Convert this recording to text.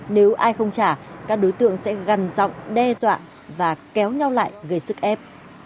nếu ai không trả các đối tượng sẽ gần dọng đe dọa và kéo nhau lại gây sức ép